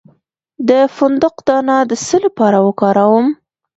د فندق دانه د څه لپاره وکاروم؟